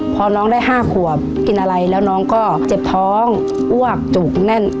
พอน้องได้๕ขวบกินอะไรแล้วน้องก็เจ็บท้องอ้วกจูกแน่น